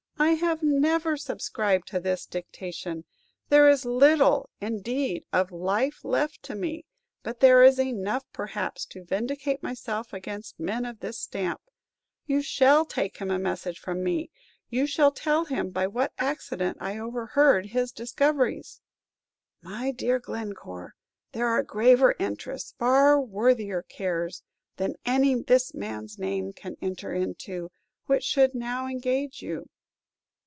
"I have never subscribed to this dictation. There is little, indeed, of life left to me, but there is enough, perhaps, to vindicate myself against men of this stamp. You shall take him a message from me; you shall tell him by what accident I overheard his discoveries." "My dear Glencore, there are graver interests, far worthier cares, than any this man's name can enter into, which should now engage you."